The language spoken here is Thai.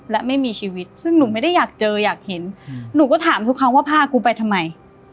และไม่มีชีวิตซึ่งหนูไม่ได้อยากเจออยากเห็นหนูก็ถามทุกครั้งว่าพากูไปทำไม